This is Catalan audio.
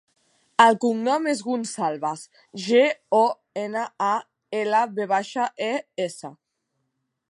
El cognom és Gonçalves: ge, o, ena, a, ela, ve baixa, e, essa.